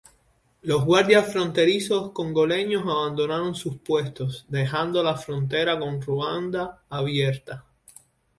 Los guardias fronterizos congoleños abandonaron sus puestos, dejando la frontera con Ruanda abierta.